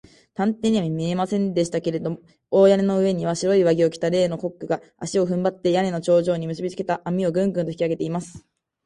探偵には見えませんでしたけれど、大屋根の上には、白い上着を着た例のコックが、足をふんばって、屋根の頂上にむすびつけた綱を、グングンと引きあげています。